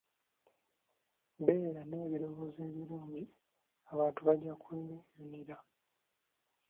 Beera n'ebirowoozo ebirungi abantu bajja kweyunira.